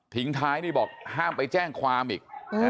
ท้ายนี่บอกห้ามไปแจ้งความอีก